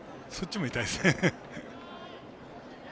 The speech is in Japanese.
そっちも痛いですね。